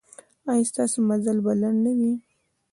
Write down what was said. ایا ستاسو مزل به لنډ نه وي؟